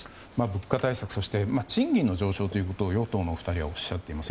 物価対策賃金の上昇ということを与党のお二人はおっしゃっています。